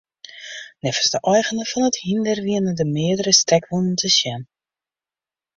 Neffens de eigener fan it hynder wiene der meardere stekwûnen te sjen.